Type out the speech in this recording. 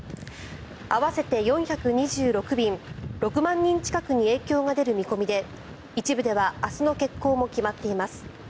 合わせて４２６便、６万人近くに影響が出る見込みで一部では明日の欠航も決まっています。